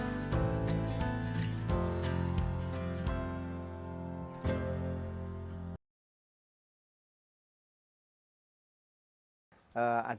serba ternyata dan dengan keuntungan